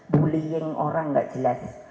bullying orang gak jelas